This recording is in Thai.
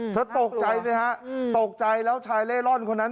เธอตกใจสิฮะตกใจแล้วชายเล่ร่อนคนนั้น